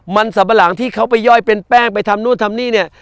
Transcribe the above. มันสับปะหลังที่เขาไปย่อยเป็นแป้งไปทำนู่นทำนี่เนี่ย